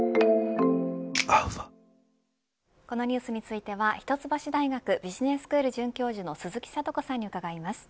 このニュースについては一橋大学ビジネススクール准教授の鈴木智子さんに伺います。